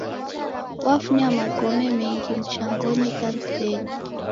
Wafunya magome mengi mchangonyi ikanisenyi